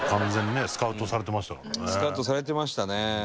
スカウトされてましたね。